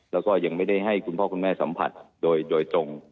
แล้วก็ยังไม่ได้ให้คุณพ่อคุณแม่สัมผัสโดยตรง